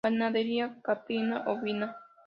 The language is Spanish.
Ganadería caprina, ovina.